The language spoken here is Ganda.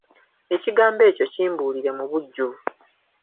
Ekigambo ekyo kimbuulire mu bujjuvu.